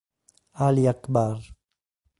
Ali Akbar